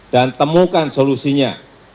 dan temukan solusinya